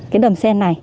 cái đầm sen này